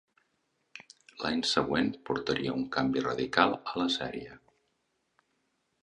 L'any següent portaria un canvi radical a la sèrie.